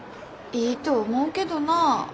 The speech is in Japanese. いいと思うけどなあ。